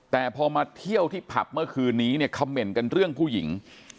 แต่พอมาเที่ยวที่ผับเมื่อคืนนี้เนี่ยคำเมนต์กันเรื่องผู้หญิง